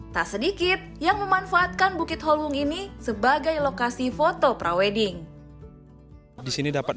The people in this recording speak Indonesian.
tak sedikit yang memanfaatkan bukit holbung ini sebagai lokasi foto prawedding di sini dapat